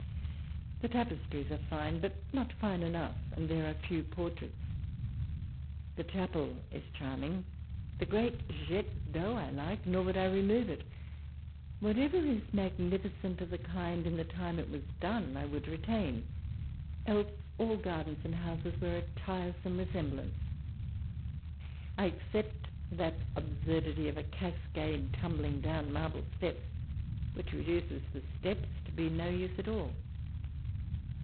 The tapestries are fine, but not fine enough, and Tiere are few portraits. The chapel is charming. The great jet d'eau I like, nor would I remove it ; whatever is magnificent of the kind in the time it was done, I would retain, else all gardens and houses wear a tire some roRomblance. I except that absurdity of a cascade tuiul)liiig down marble steps, which reduces the steps to be of no use at all.